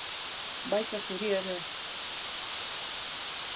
Baita zuri ere.